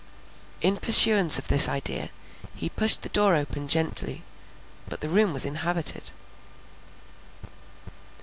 In pursuance of this idea, he pushed open the door gently—but the room was inhabited.